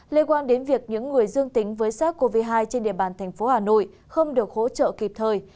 lê quan đến việc những người dương tính với sars cov hai trên địa bàn tp hcm không được hỗ trợ kịp thời